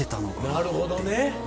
なるほどね。